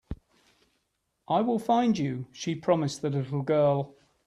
"I will find you.", she promised the little girl.